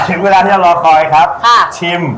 จิดเวลาเนี่ยรอคร่อยคร่ะชิม